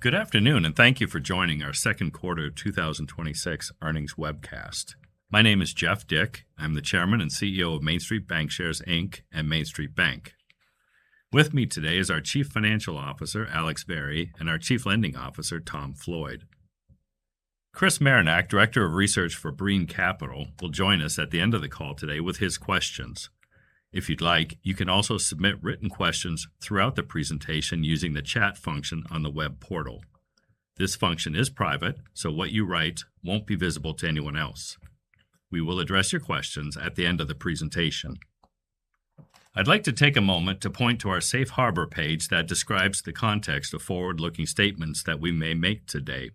Good afternoon, and thank you for joining our second quarter 2026 earnings webcast. My name is Jeff Dick. I am the chairman and CEO of MainStreet Bancshares, Inc. and MainStreet Bank. With me today is our chief financial officer, Alex Vari, and our chief lending officer, Tom Floyd. Chris Marinac, director of research for Green Capital, will join us at the end of the call today with his questions. If you would like, you can also submit written questions throughout the presentation using the chat function on the web portal. This function is private, so what you write will not be visible to anyone else. We will address your questions at the end of the presentation. I would like to take a moment to point to our Safe Harbor page that describes the context of forward-looking statements that we may make today.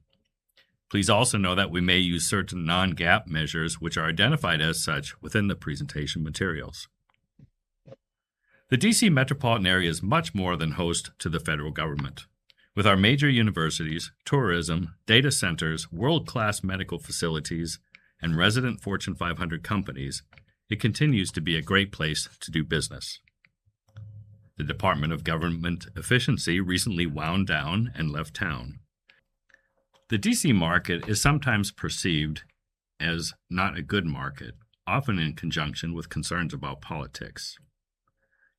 Please also know that we may use certain non-GAAP measures which are identified as such within the presentation materials. The D.C. metropolitan area is much more than host to the federal government. With our major universities, tourism, data centers, world-class medical facilities, and resident Fortune 500 companies, it continues to be a great place to do business. The Department of Government Efficiency recently wound down and left town. The D.C. market is sometimes perceived as not a good market, often in conjunction with concerns about politics.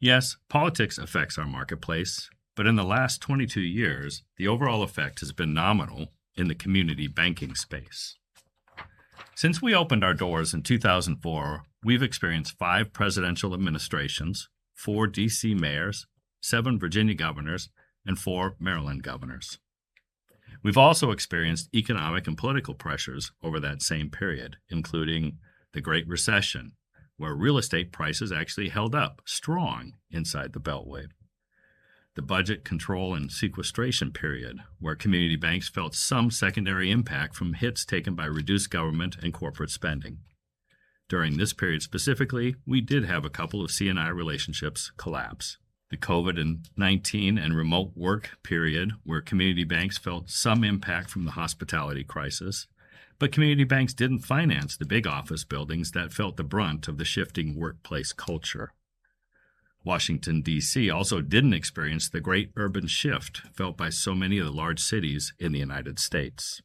Yes, politics affects our marketplace. In the last 22 years, the overall effect has been nominal in the community banking space. Since we opened our doors in 2004, we have experienced five presidential administrations, four D.C. mayors, seven Virginia governors, and four Maryland governors. We have also experienced economic and political pressures over that same period, including the Great Recession, where real estate prices actually held up strong inside the beltway, the budget control and sequestration period, where community banks felt some secondary impact from hits taken by reduced government and corporate spending. During this period specifically, we did have a couple of C&I relationships collapse. The COVID-19 and remote work period, where community banks felt some impact from the hospitality crisis. Community banks did not finance the big office buildings that felt the brunt of the shifting workplace culture. Washington, D.C. also did not experience the great urban shift felt by so many of the large cities in the United States.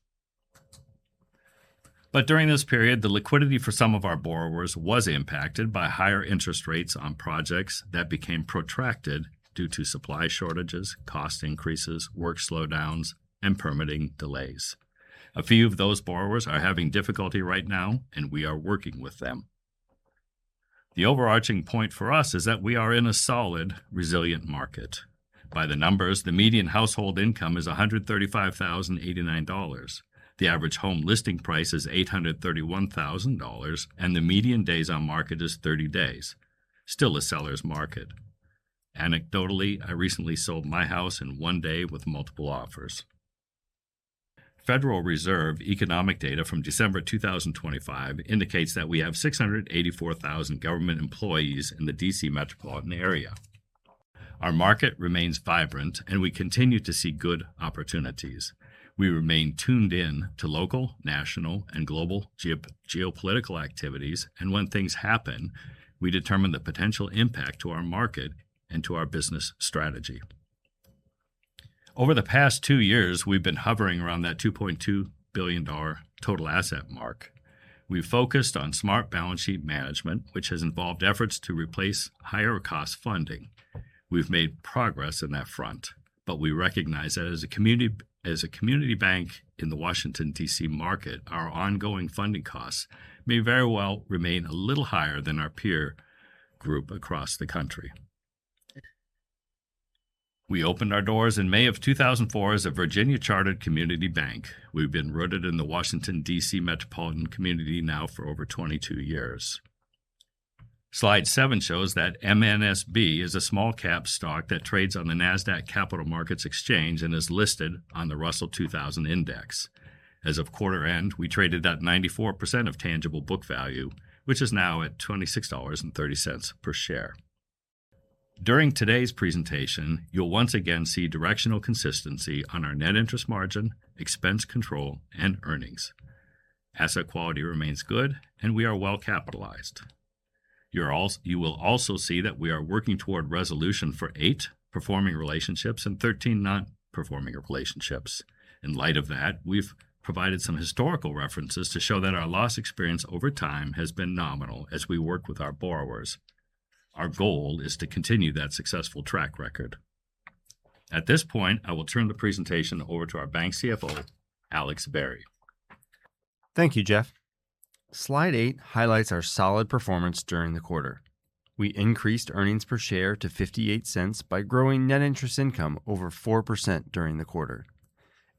During this period, the liquidity for some of our borrowers was impacted by higher interest rates on projects that became protracted due to supply shortages, cost increases, work slowdowns, and permitting delays. A few of those borrowers are having difficulty right now, and we are working with them. The overarching point for us is that we are in a solid, resilient market. By the numbers, the median household income is $135,089. The average home listing price is $831,000, and the median days on market is 30 days. Still a seller's market. Anecdotally, I recently sold my house in one day with multiple offers. Federal Reserve economic data from December 2025 indicates that we have 684,000 government employees in the D.C. metropolitan area. Our market remains vibrant, and we continue to see good opportunities. We remain tuned in to local, national, and global geopolitical activities, and when things happen, we determine the potential impact to our market and to our business strategy. Over the past two years, we have been hovering around that $2.2 billion total asset mark. We've focused on smart balance sheet management, which has involved efforts to replace higher cost funding. We've made progress on that front, but we recognize that as a community bank in the Washington, D.C. market, our ongoing funding costs may very well remain a little higher than our peer group across the country. We opened our doors in May of 2004 as a Virginia chartered community bank. We've been rooted in the Washington, D.C. metropolitan community now for over 22 years. Slide seven shows that MNSB is a small-cap stock that trades on the Nasdaq Capital Market and is listed on the Russell 2000 Index. As of quarter end, we traded at 94% of tangible book value, which is now at $26.30 per share. During today's presentation, you'll once again see directional consistency on our net interest margin, expense control, and earnings. Asset quality remains good, and we are well capitalized. You will also see that we are working toward resolution for eight performing relationships and 13 non-performing relationships. In light of that, we've provided some historical references to show that our loss experience over time has been nominal as we work with our borrowers. Our goal is to continue that successful track record. At this point, I will turn the presentation over to our bank CFO, Alex Vari. Thank you, Jeff. Slide eight highlights our solid performance during the quarter. We increased earnings per share to $0.58 by growing net interest income over 4% during the quarter.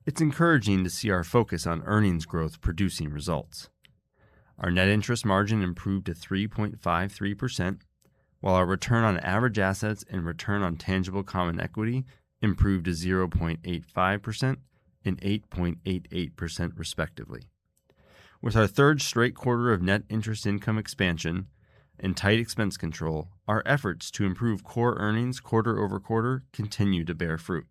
It's encouraging to see our focus on earnings growth producing results. Our net interest margin improved to 3.53%, while our return on average assets and return on tangible common equity improved to 0.85% and 8.88%, respectively. With our third straight quarter of net interest income expansion and tight expense control, our efforts to improve core earnings quarter-over-quarter continue to bear fruit.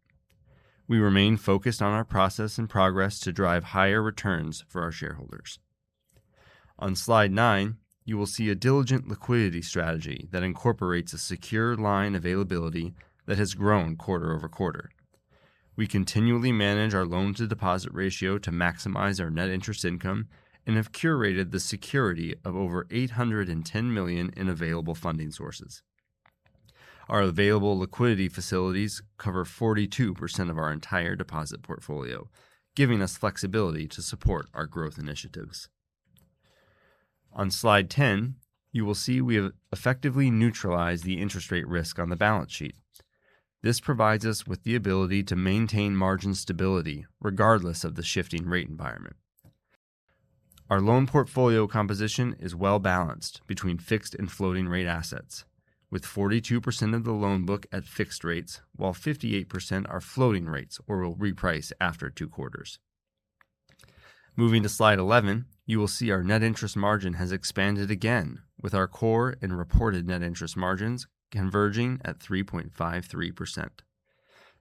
We remain focused on our process and progress to drive higher returns for our shareholders. On slide nine, you will see a diligent liquidity strategy that incorporates a secure line availability that has grown quarter-over-quarter. We continually manage our loan-to-deposit ratio to maximize our net interest income, and have curated the security of over $810 million in available funding sources. Our available liquidity facilities cover 42% of our entire deposit portfolio, giving us flexibility to support our growth initiatives. On slide 10, you will see we have effectively neutralized the interest rate risk on the balance sheet. This provides us with the ability to maintain margin stability regardless of the shifting rate environment. Our loan portfolio composition is well-balanced between fixed and floating rate assets, with 42% of the loan book at fixed rates, while 58% are floating rates or will reprice after two quarters. Moving to slide 11, you will see our net interest margin has expanded again with our core and reported net interest margins converging at 3.53%.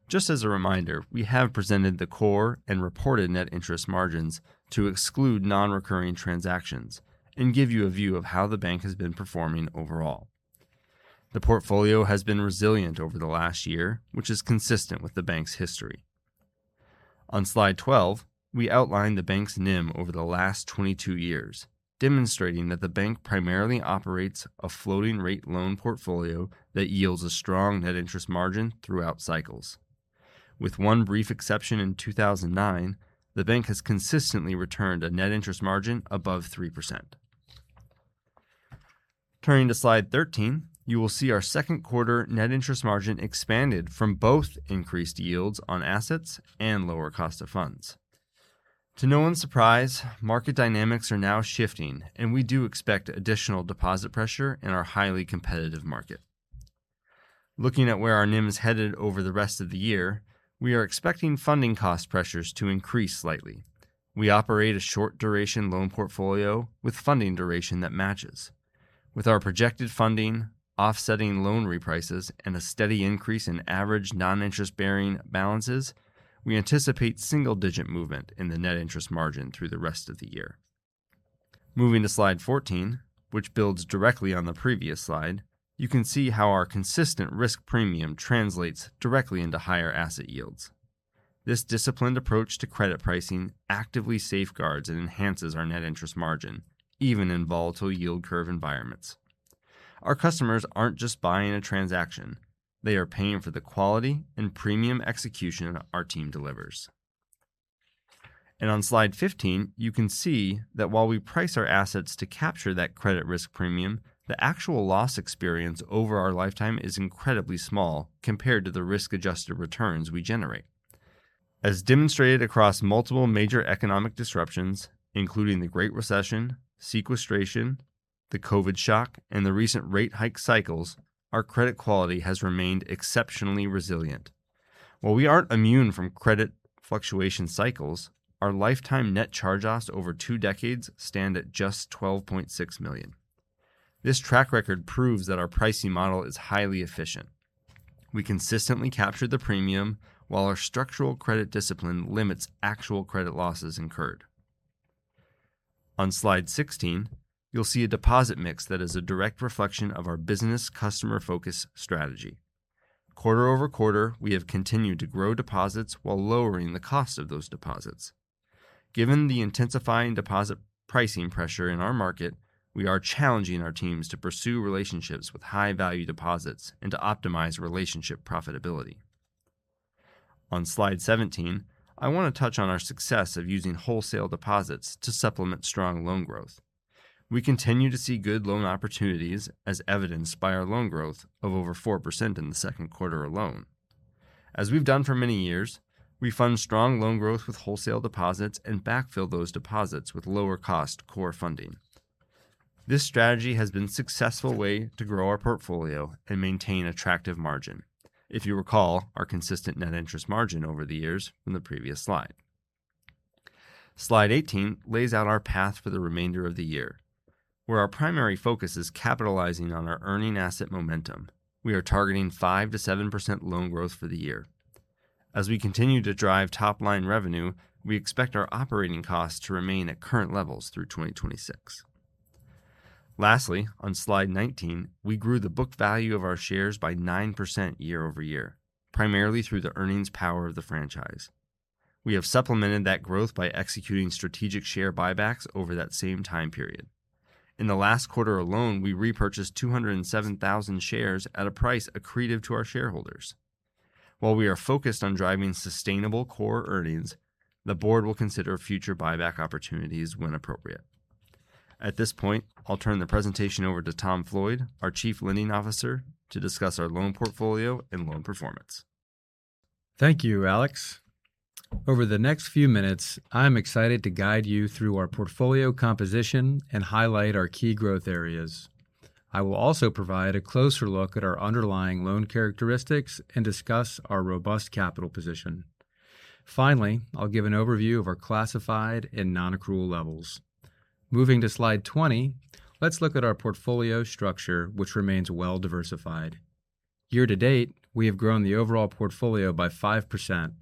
Just as a reminder, we have presented the core and reported net interest margins to exclude non-recurring transactions and give you a view of how the bank has been performing overall. The portfolio has been resilient over the last year, which is consistent with the bank's history. On slide 12, we outline the bank's NIM over the last 22 years, demonstrating that the bank primarily operates a floating-rate loan portfolio that yields a strong net interest margin throughout cycles. With one brief exception in 2009, the bank has consistently returned a net interest margin above 3%. Turning to slide 13, you will see our second quarter net interest margin expanded from both increased yields on assets and lower cost of funds. To no one's surprise, market dynamics are now shifting. We do expect additional deposit pressure in our highly competitive market. Looking at where our NIM is headed over the rest of the year, we are expecting funding cost pressures to increase slightly. We operate a short-duration loan portfolio with funding duration that matches. With our projected funding, offsetting loan reprices, and a steady increase in average non-interest-bearing balances, we anticipate single-digit movement in the net interest margin through the rest of the year. Moving to slide 14, which builds directly on the previous slide, you can see how our consistent risk premium translates directly into higher asset yields. This disciplined approach to credit pricing actively safeguards and enhances our net interest margin, even in volatile yield curve environments. Our customers aren't just buying a transaction, they are paying for the quality and premium execution our team delivers. On slide 15, you can see that while we price our assets to capture that credit risk premium, the actual loss experience over our lifetime is incredibly small compared to the risk-adjusted returns we generate. As demonstrated across multiple major economic disruptions, including the Great Recession, sequestration, the COVID shock, and the recent rate hike cycles, our credit quality has remained exceptionally resilient. While we aren't immune from credit fluctuation cycles, our lifetime net charge-offs over two decades stand at just $12.6 million. This track record proves that our pricing model is highly efficient. We consistently captured the premium, while our structural credit discipline limits actual credit losses incurred. On slide 16, you'll see a deposit mix that is a direct reflection of our business customer focus strategy. Quarter-over-quarter, we have continued to grow deposits while lowering the cost of those deposits. Given the intensifying deposit pricing pressure in our market, we are challenging our teams to pursue relationships with high-value deposits and to optimize relationship profitability. On slide 17, I want to touch on our success of using wholesale deposits to supplement strong loan growth. We continue to see good loan opportunities, as evidenced by our loan growth of over 4% in the second quarter alone. As we've done for many years, we fund strong loan growth with wholesale deposits and backfill those deposits with lower-cost core funding. This strategy has been a successful way to grow our portfolio and maintain attractive margin. If you recall, our consistent net interest margin over the years from the previous slide. Slide 18 lays out our path for the remainder of the year, where our primary focus is capitalizing on our earning asset momentum. We are targeting 5%-7% loan growth for the year. As we continue to drive top-line revenue, we expect our operating costs to remain at current levels through 2026. Lastly, on slide 19, we grew the book value of our shares by 9% year-over-year, primarily through the earnings power of the franchise. We have supplemented that growth by executing strategic share buybacks over that same time period. In the last quarter alone, we repurchased 207,000 shares at a price accretive to our shareholders. While we are focused on driving sustainable core earnings, the board will consider future buyback opportunities when appropriate. At this point, I'll turn the presentation over to Tom Floyd, our Chief Lending Officer, to discuss our loan portfolio and loan performance. Thank you, Alex Vari. Over the next few minutes, I am excited to guide you through our portfolio composition and highlight our key growth areas. I will also provide a closer look at our underlying loan characteristics and discuss our robust capital position. Finally, I'll give an overview of our classified and non-accrual levels. Moving to slide 20, let's look at our portfolio structure, which remains well-diversified. Year-to-date, we have grown the overall portfolio by 5%,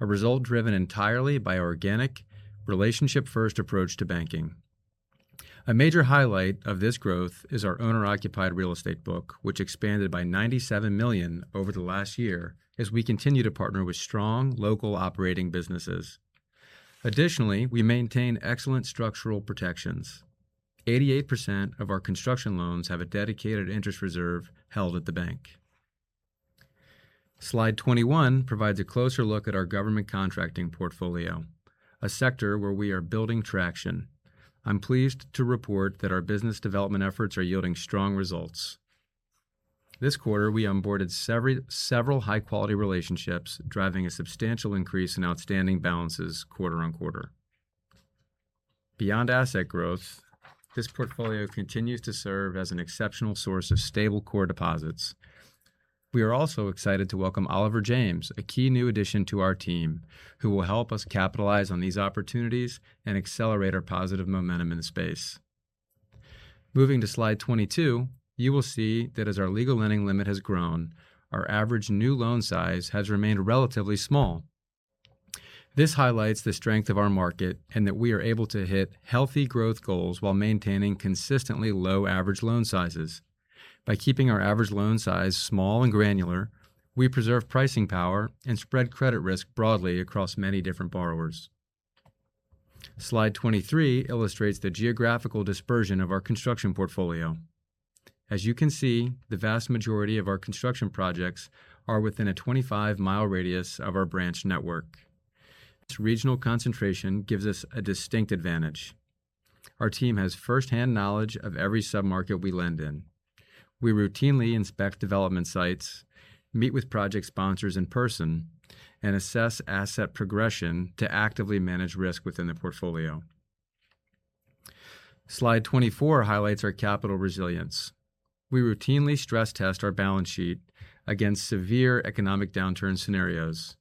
a result driven entirely by our organic relationship-first approach to banking. A major highlight of this growth is our owner-occupied real estate book, which expanded by $97 million over the last year as we continue to partner with strong local operating businesses. Additionally, we maintain excellent structural protections. 88% of our construction loans have a dedicated interest reserve held at the bank. Slide 21 provides a closer look at our government contracting portfolio, a sector where we are building traction. I'm pleased to report that our business development efforts are yielding strong results. This quarter, we onboarded several high-quality relationships, driving a substantial increase in outstanding balances quarter-on-quarter. Beyond asset growth, this portfolio continues to serve as an exceptional source of stable core deposits. We are also excited to welcome Oliver James, a key new addition to our team, who will help us capitalize on these opportunities and accelerate our positive momentum in the space. Moving to slide 22, you will see that as our legal lending limit has grown, our average new loan size has remained relatively small. This highlights the strength of our market and that we are able to hit healthy growth goals while maintaining consistently low average loan sizes. By keeping our average loan size small and granular, we preserve pricing power and spread credit risk broadly across many different borrowers. Slide 23 illustrates the geographical dispersion of our construction portfolio. As you can see, the vast majority of our construction projects are within a 25-mile radius of our branch network. This regional concentration gives us a distinct advantage. Our team has firsthand knowledge of every sub-market we lend in. We routinely inspect development sites, meet with project sponsors in person, and assess asset progression to actively manage risk within the portfolio. Slide 24 highlights our capital resilience. We routinely stress test our balance sheet against severe economic downturn scenarios.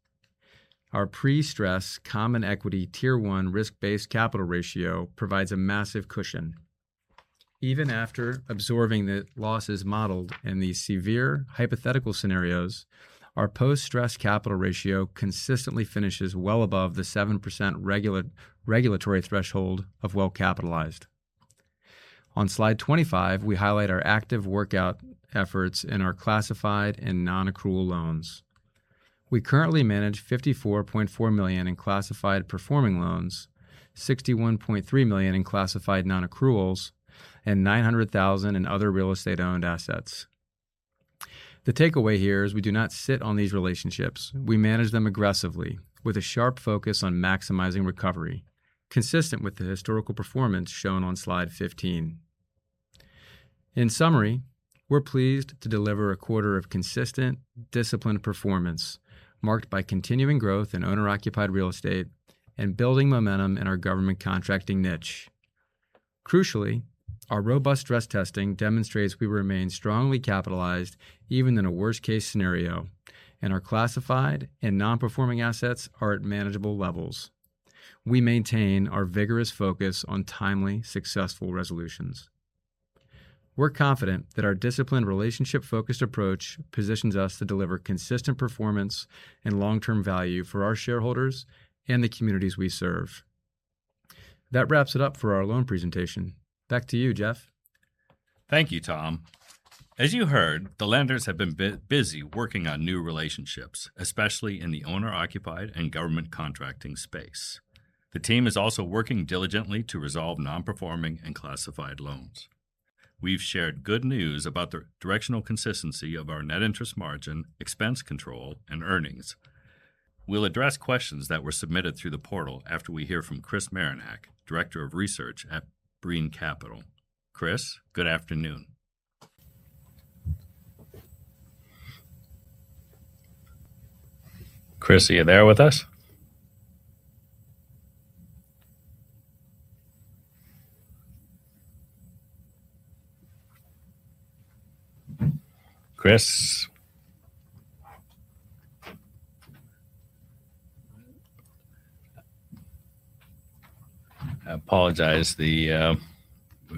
Our pre-stress common equity Tier 1 risk-based capital ratio provides a massive cushion. Even after absorbing the losses modeled in these severe hypothetical scenarios, our post-stress capital ratio consistently finishes well above the 7% regulatory threshold of well-capitalized. On Slide 25, we highlight our active workout efforts in our classified and non-accrual loans. We currently manage $54.4 million in classified performing loans, $61.3 million in classified non-accruals, and $900,000 in other real estate-owned assets. The takeaway here is we do not sit on these relationships. We manage them aggressively with a sharp focus on maximizing recovery, consistent with the historical performance shown on slide 15. In summary, we're pleased to deliver a quarter of consistent, disciplined performance marked by continuing growth in owner-occupied real estate and building momentum in our government contracting niche. Crucially, our robust stress testing demonstrates we remain strongly capitalized even in a worst-case scenario, and our classified and non-performing assets are at manageable levels. We maintain our vigorous focus on timely, successful resolutions. We're confident that our disciplined, relationship-focused approach positions us to deliver consistent performance and long-term value for our shareholders and the communities we serve. That wraps it up for our loan presentation. Back to you, Jeff. Thank you, Tom. As you heard, the lenders have been busy working on new relationships, especially in the owner-occupied and government contracting space. The team is also working diligently to resolve non-performing and classified loans. We've shared good news about the directional consistency of our net interest margin, expense control, and earnings. We'll address questions that were submitted through the portal after we hear from Chris Marinac, Director of Research at Brean Capital. Chris, good afternoon. Chris, are you there with us? Chris? I apologize. We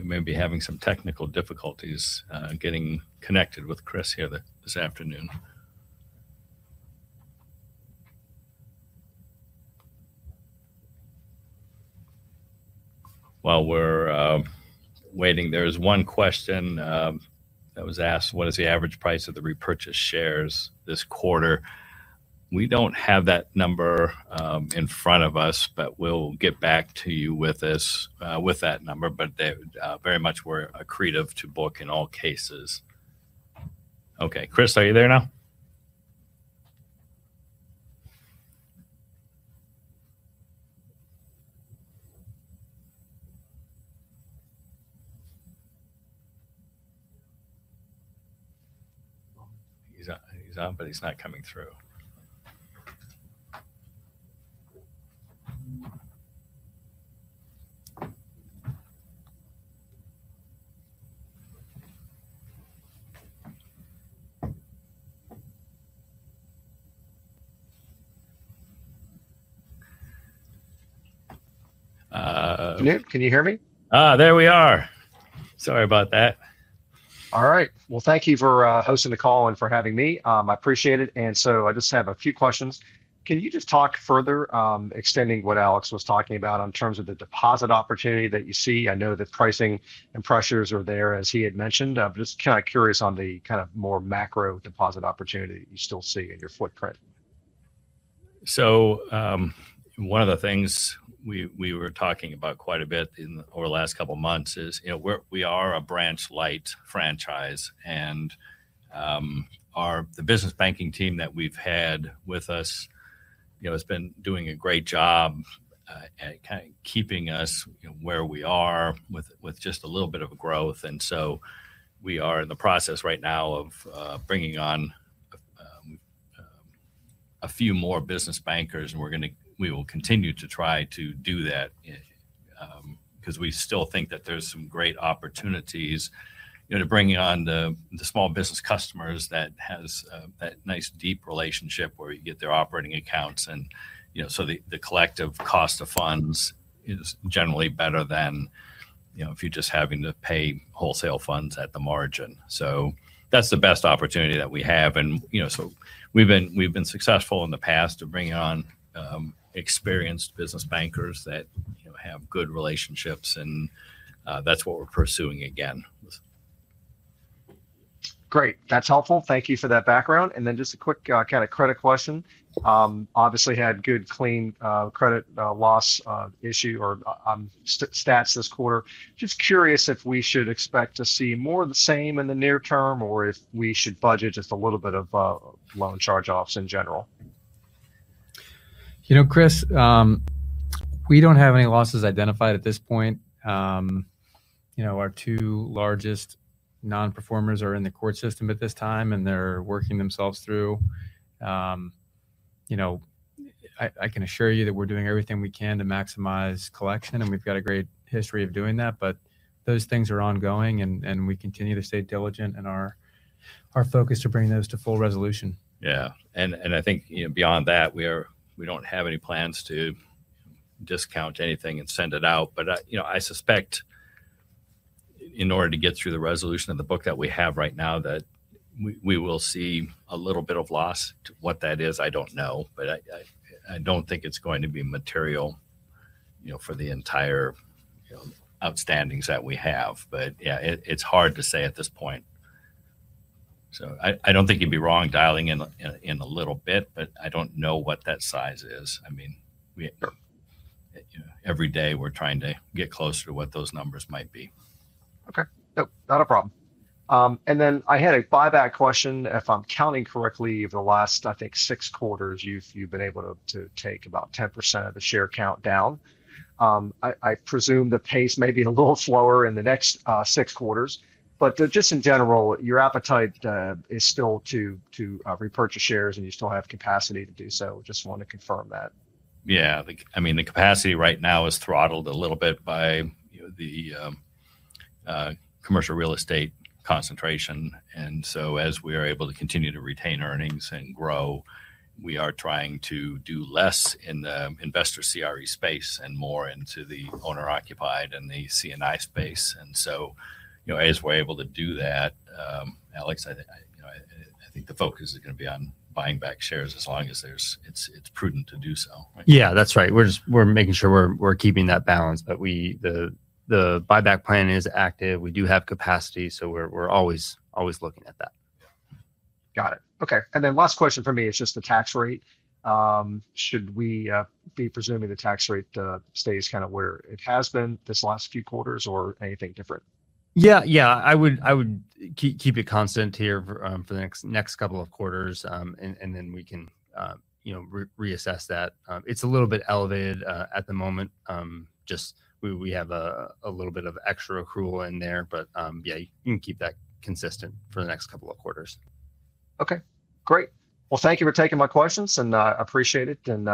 may be having some technical difficulties getting connected with Chris here this afternoon. While we're waiting, there is one question that was asked, "What is the average price of the repurchased shares this quarter?" We don't have that number in front of us, but we'll get back to you with that number. Very much we're accretive to book in all cases. Okay, Chris, are you there now? He's on, but he's not coming through. Newt, can you hear me? There we are. Sorry about that. All right. Well, thank you for hosting the call and for having me. I appreciate it. I just have a few questions. Can you just talk further, extending what Alex was talking about in terms of the deposit opportunity that you see? I know that pricing and pressures are there, as he had mentioned. I'm just kind of curious on the more macro deposit opportunity that you still see in your footprint. One of the things we were talking about quite a bit over the last couple of months is we are a branch-light franchise. The business banking team that we've had with us has been doing a great job at kind of keeping us where we are with just a little bit of a growth. We are in the process right now of bringing on a few more business bankers, and we will continue to try to do that because we still think that there's some great opportunities to bringing on the small business customers that has that nice deep relationship where you get their operating accounts. The collective cost of funds is generally better than if you're just having to pay wholesale funds at the margin. That's the best opportunity that we have. We've been successful in the past to bring on experienced business bankers that have good relationships and that's what we're pursuing again. Great. That's helpful. Thank you for that background. Just a quick kind of credit question. Obviously had good, clean credit loss issue or stats this quarter. Just curious if we should expect to see more of the same in the near term, or if we should budget just a little bit of loan charge-offs in general. Chris, we don't have any losses identified at this point. Our two largest non-performers are in the court system at this time, and they're working themselves through. I can assure you that we're doing everything we can to maximize collection, and we've got a great history of doing that. Those things are ongoing, and we continue to stay diligent in our focus to bring those to full resolution. Yeah. I think beyond that, we don't have any plans to discount anything and send it out. I suspect in order to get through the resolution of the book that we have right now, that we will see a little bit of loss. To what that is, I don't know. I don't think it's going to be material for the entire outstandings that we have. Yeah, it's hard to say at this point. I don't think you'd be wrong dialing in a little bit, but I don't know what that size is. Sure. Every day, we're trying to get closer to what those numbers might be. Okay. Nope, not a problem. I had a buyback question. If I'm counting correctly, over the last, I think, six quarters, you've been able to take about 10% of the share count down. I presume the pace may be a little slower in the next six quarters. Just in general, your appetite is still to repurchase shares, and you still have capacity to do so. Just want to confirm that. Yeah. The capacity right now is throttled a little bit by the commercial real estate concentration. As we are able to continue to retain earnings and grow, we are trying to do less in the investor CRE space and more into the owner-occupied and the C&I space. As we're able to do that Alex, I think the focus is going to be on buying back shares as long as it's prudent to do so, right? Yeah. That's right. We're making sure we're keeping that balance. The buyback plan is active. We do have capacity, we're always looking at that. Got it. Okay. Last question from me is just the tax rate. Should we be presuming the tax rate stays kind of where it has been this last few quarters, or anything different? Yeah. I would keep it constant here for the next couple of quarters, we can reassess that. It's a little bit elevated at the moment. Just we have a little bit of extra accrual in there. Yeah, you can keep that consistent for the next couple of quarters. Okay, great. Well, thank you for taking my questions, and I appreciate it, and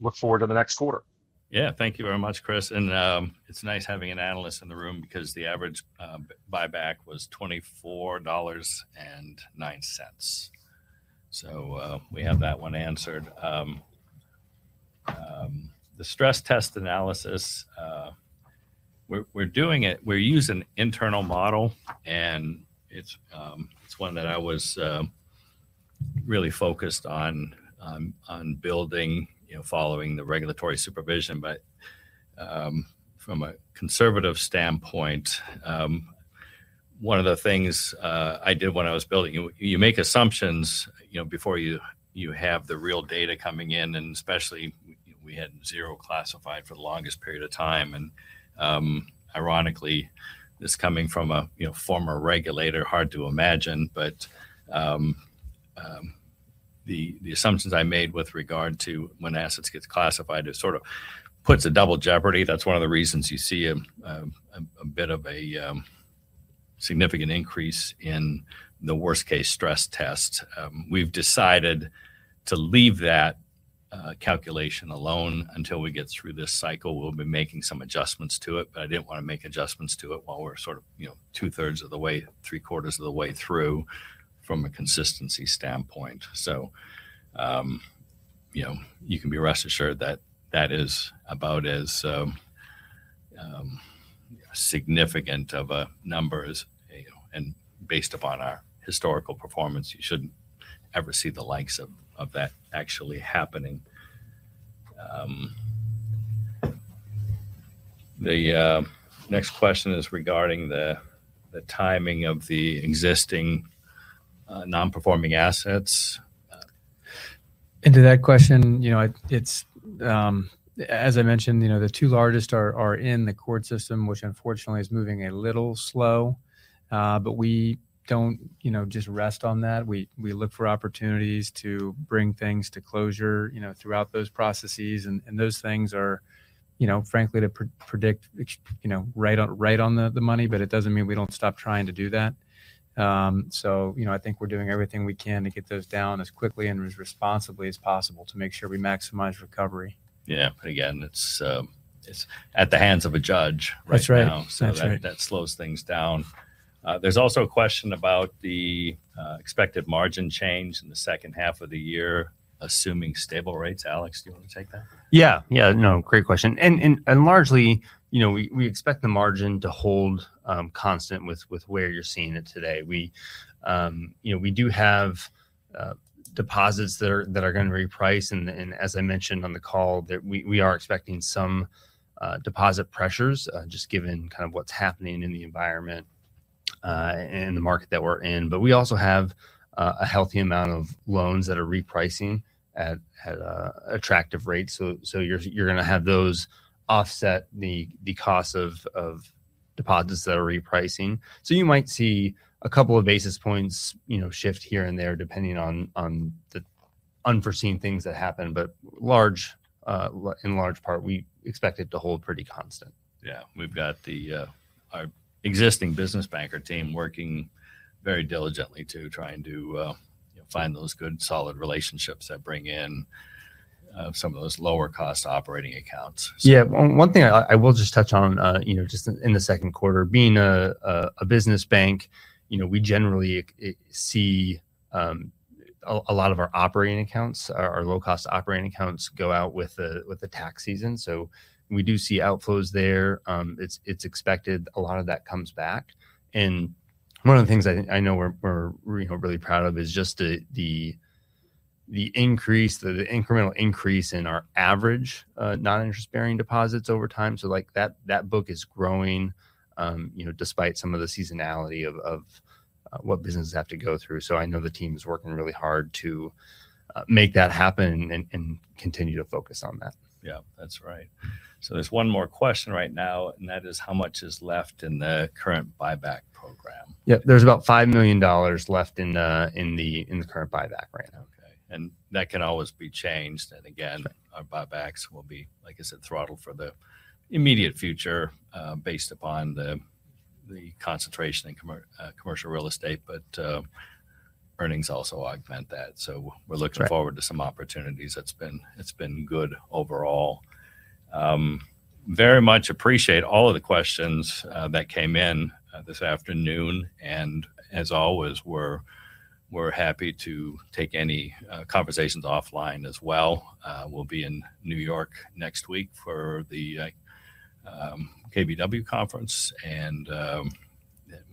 look forward to the next quarter. Yeah. Thank you very much, Chris Marinac. It is nice having an analyst in the room because the average buyback was $24.09. We have that one answered. The stress test analysis, we are doing it, we use an internal model, and it is one that I was really focused on building, following the regulatory supervision. From a conservative standpoint, one of the things I did when I was building, you make assumptions before you have the real data coming in, and especially, we had zero classified for the longest period of time. Ironically, this coming from a former regulator, hard to imagine, but the assumptions I made with regard to when assets get classified, it sort of puts a double jeopardy. That is one of the reasons you see a bit of a significant increase in the worst-case stress test. We have decided to leave that calculation alone until we get through this cycle. We will be making some adjustments to it, but I did not want to make adjustments to it while we are sort of two-thirds of the way, three-quarters of the way through from a consistency standpoint. You can be rest assured that that is about as Significant of a numbers. Based upon our historical performance, you should not ever see the likes of that actually happening. The next question is regarding the timing of the existing non-performing assets. Into that question, as I mentioned, the two largest are in the court system, which unfortunately is moving a little slow. We don't just rest on that. We look for opportunities to bring things to closure throughout those processes. Those things are frankly to predict right on the money, but it doesn't mean we don't stop trying to do that. I think we're doing everything we can to get those down as quickly and as responsibly as possible to make sure we maximize recovery. Yeah. Again, it's at the hands of a judge right now. That's right. That slows things down. There's also a question about the expected margin change in the second half of the year, assuming stable rates. Alex, do you want to take that? Yeah. No, great question. Largely, we expect the margin to hold constant with where you're seeing it today. We do have deposits that are going to reprice, and as I mentioned on the call, that we are expecting some deposit pressures, just given kind of what's happening in the environment and the market that we're in. We also have a healthy amount of loans that are repricing at attractive rates. You're going to have those offset the cost of deposits that are repricing. You might see a couple of basis points shift here and there, depending on the unforeseen things that happen. In large part, we expect it to hold pretty constant. Yeah. We've got our existing business banker team working very diligently to try and to find those good, solid relationships that bring in some of those lower cost operating accounts. Yeah. One thing I will just touch on just in the second quarter, being a business bank, we generally see a lot of our operating accounts, our low-cost operating accounts go out with the tax season. We do see outflows there. It's expected. A lot of that comes back. One of the things I know we're really proud of is just the incremental increase in our average non-interest-bearing deposits over time. Like that book is growing, despite some of the seasonality of what businesses have to go through. I know the team is working really hard to make that happen and continue to focus on that. Yeah, that's right. There's one more question right now, and that is how much is left in the current buyback program? Yeah. There's about $5 million left in the current buyback right now. Okay. That can always be changed. again- Sure our buybacks will be, like I said, throttled for the immediate future, based upon the concentration in commercial real estate. Earnings also augment that. we're looking- That's right forward to some opportunities. It's been good overall. Very much appreciate all of the questions that came in this afternoon. As always, we're happy to take any conversations offline as well. We'll be in New York next week for the KBW conference, and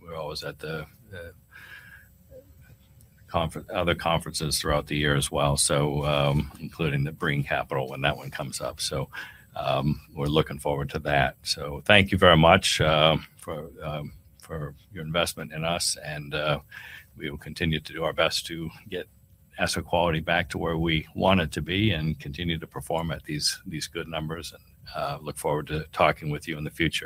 we're always at the other conferences throughout the year as well, including the Brean Capital when that one comes up. We're looking forward to that. Thank you very much for your investment in us, and we will continue to do our best to get asset quality back to where we want it to be and continue to perform at these good numbers and look forward to talking with you in the future